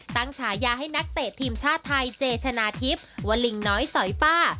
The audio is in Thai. ฉายาให้นักเตะทีมชาติไทยเจชนะทิพย์วลิงน้อยสอยป้า